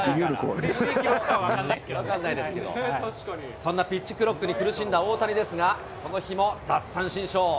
そんなピッチクロックに苦しんだ大谷ですが、この日も奪三振ショー。